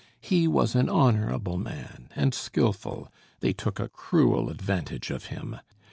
He was an honorable man, and skilful; they took a cruel advantage of him.